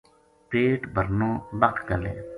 پیٹ بھرنو بَکھ گل ہے۔